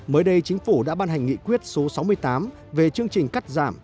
mới đây chính phủ đã ban hành nghị quyết số sáu mươi tám về chương trình cắt giảm